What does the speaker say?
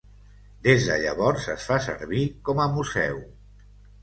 Des de llavors es fa servir com a museu.